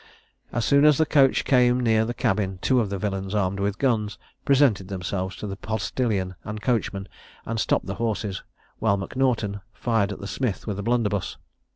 As soon as the coach came near the cabin, two of the villains, armed with guns, presented themselves to the postilion and coachman, and stopped the horses, while M'Naughton fired at the smith with a blunderbuss.